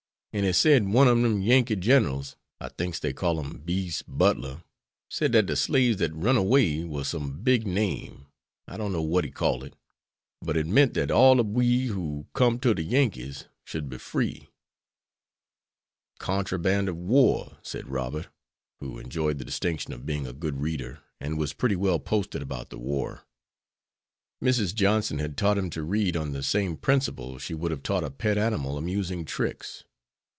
An' he sed one ob dem Yankee ginerals, I thinks dey called him Beas' Butler, sed dat de slaves dat runned away war some big name I don't know what he called it. But it meant dat all ob we who com'd to de Yankees should be free." "Contraband of war," said Robert, who enjoyed the distinction of being a good reader, and was pretty well posted about the war. Mrs. Johnson had taught him to read on the same principle she would have taught a pet animal amusing tricks.